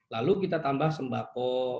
lalu kita tambah sembako